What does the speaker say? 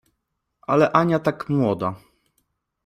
Ale Ania tak młoda…